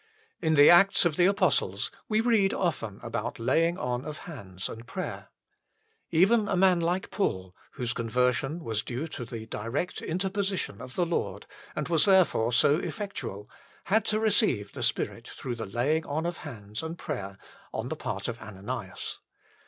In the Acts of the Apostles we read often about laying on of hands and prayer. Even a man like Paul whose conversion was due to the direct interposition of the Lord, and was there fore so effectual had to receive the Spirit through laying on of hands and prayer on the part of Ananias.